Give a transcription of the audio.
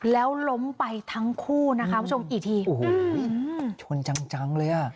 แล้วล้มไปทั้งคู่นะคะคุณผู้ชมอีกทีโอ้โหชนจังจังเลยอ่ะ